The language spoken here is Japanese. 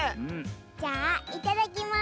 じゃあいただきます！